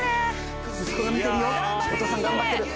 息子が見てるよお父さん頑張ってる。